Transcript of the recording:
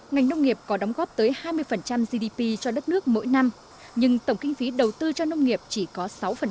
ngành nông nghiệp có đóng góp tới hai mươi gdp cho đất nước mỗi năm nhưng tổng kinh phí đầu tư cho nông nghiệp chỉ có sáu